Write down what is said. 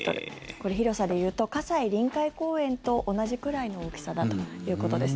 これ、広さで言うと葛西臨海公園と同じくらいの大きさだということです。